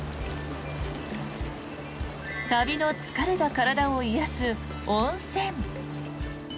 旅の疲れた体を癒やす温泉。